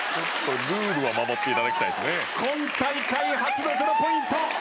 今大会初の０ポイント。